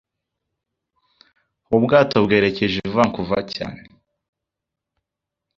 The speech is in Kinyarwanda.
Ubu bwato bwerekeje i Vancouver cyane